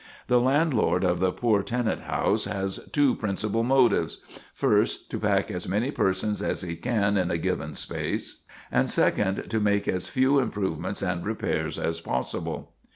The landlord of the poor tenant house has two principal motives first, to pack as many people as he can in a given space, and second, to make as few improvements and repairs as possible.